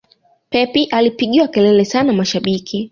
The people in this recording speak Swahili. pep alipigiwa kelele sana na mashabiki